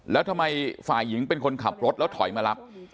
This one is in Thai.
แล้วทำไมฝ่ายหญิงเป็นคนขับรถแล้วถอยมารับ